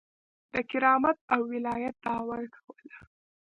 د کرامت او ولایت دعوه کوله.